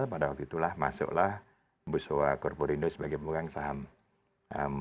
pada waktu itulah masuklah musoa korporindo sebagai pemegang saham